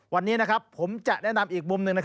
วันนี้ผมจะแนะนำอีกมุมหนึ่ง